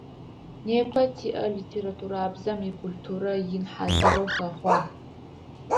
Непэ тиӏэ литературабзэм икультурэ ин хьазырэу хэхъуагъ.